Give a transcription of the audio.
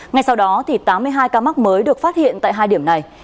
ngay sau đó tám mươi hai ca mắc mới được phát hiện tại hai điểm này